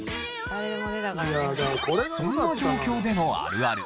そんな状況でのあるある